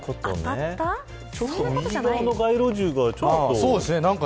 右側の街路樹がちょっと。